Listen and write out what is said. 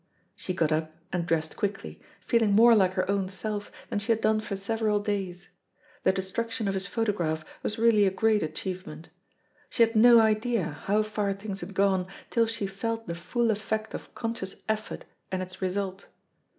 She got up and dressed quickly, feeling more like her own self than she had done for several days. The destruction of his photograph was really a great achievement. She had no idea how far things had gone till she felt the full effect of conscious effort and its result.